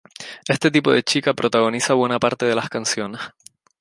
Este tipo de chica protagoniza buena parte de las canciones.